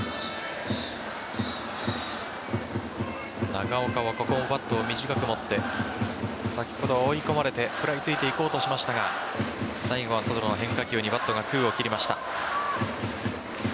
長岡はここもバットを短く持って先ほど追い込まれて食らいついて行こうとしましたが最後は変化球にバットが空を切りました。